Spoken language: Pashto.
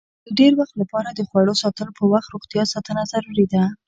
د ډېر وخت لپاره د خوړو ساتلو په وخت روغتیا ساتنه ضروري ده.